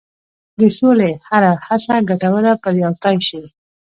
د سولې هره هڅه ګټوره پرېوتای شي.